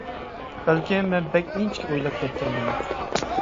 بەلكىم مەن بەك ئىنچىكە ئويلاپ كەتكەندىمەن.